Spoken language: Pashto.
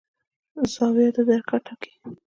زاویه د درک حد ټاکي.